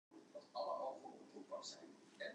It programma wie fan twa oere oant kertier foar fjouweren.